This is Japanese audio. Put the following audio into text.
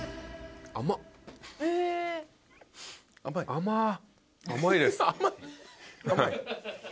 甘っ。